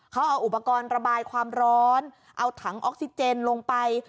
เขาเอาอุปกรณ์ระบายความร้อนเอาถังออกซิเจนลงไป